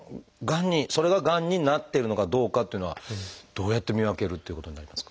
それががんになってるのかどうかっていうのはどうやって見分けるっていうことになりますか？